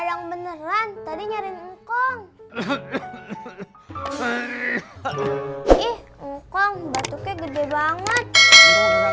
yang beneran tadi nyari ngkong eh eh eh eh eh eh eh eh eh eh eh eh eh eh eh eh eh eh eh